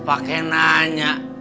pak ranti nanya